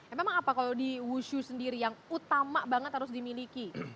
emang apa kalau di wushu sendiri yang utama banget harus dimiliki